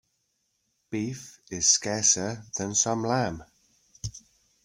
Beef is scarcer than some lamb.